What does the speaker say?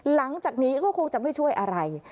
หลังจากนี้ก็คงจะไม่ช่วยอะไร